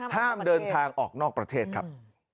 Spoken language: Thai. ห้ามเดินทางออกนอกประเทศครับ